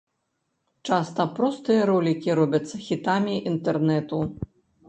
Часта простыя ролікі робяцца хітамі інтэрнэту.